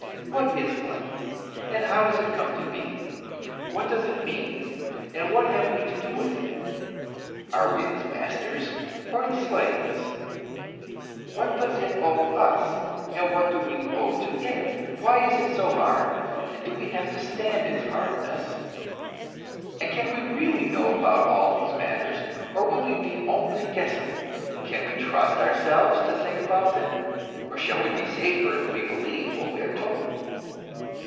What is life, and how does it come to be? What does it mean, and what have we to do with it? Are we its masters or its slaves? What does it owe us, and what do we owe to it? Why is it so hard, and do we have to stand its hardness? And can we really know about all these matters, or will we be only guessing? Can we trust ourselves to think about them, or shall we be safer if we believe what we are told?